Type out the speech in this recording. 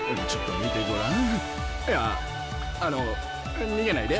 いやあの逃げないで。